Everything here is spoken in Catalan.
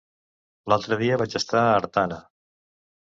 L'altre dia vaig estar a Artana.